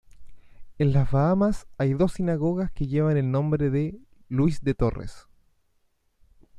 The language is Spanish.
En las Bahamas hay dos sinagogas que llevan el nombre de "Luis de Torres".